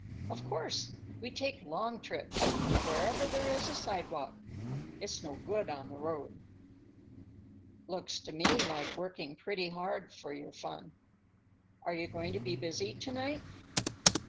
"Of course. We take long trips; wherever there is a sidewalk. It's no good on the road." "Looks to me like working pretty hard for your fun. Are you going to be busy to night?